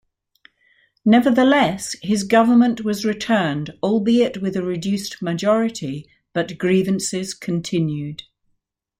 Nevertheless, his government was returned, albeit with a reduced majority but grievances continued.